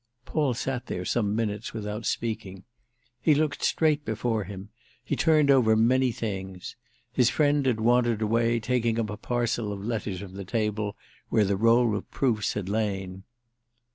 Paul sat there some minutes without speaking. He looked straight before him—he turned over many things. His friend had wandered away, taking up a parcel of letters from the table where the roll of proofs had lain.